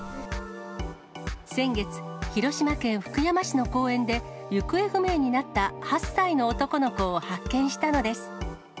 先月、広島県福山市の公園で、行方不明になった８歳の男の子を発見したのです。